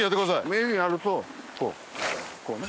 名人やるとこうこうね。